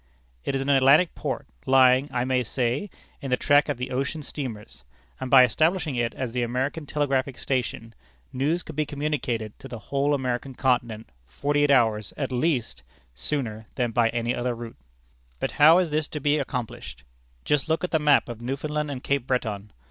It is an Atlantic port, lying, I may say, in the track of the ocean steamers, and by establishing it as the American telegraphic station, news could be communicated to the whole American continent forty eight hours, at least, sooner than by any other route. But how will this be accomplished? Just look at the map of Newfoundland and Cape Breton.